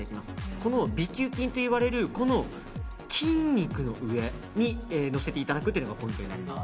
この眉丘筋といわれる筋肉の上にのせていただくというのがポイントになります。